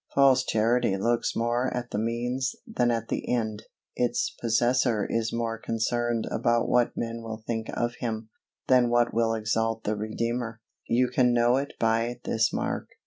False Charity looks more at the means than at the end. Its possessor is more concerned about what men will think of him, than what will exalt the Redeemer. You can know it by this mark.